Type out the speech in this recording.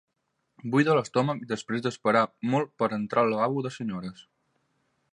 Buida l'estómac després d'esperar molt per entrar al lavabo de senyores.